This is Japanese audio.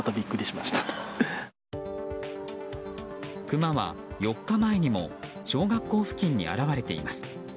クマは４日前にも小学校付近に現れています。